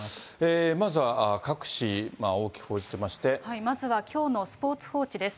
まずは各紙、大きく報じてままずはきょうのスポーツ報知です。